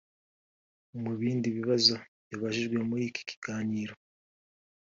Mu bindi bibazo yabajijwe muri iki kiganiro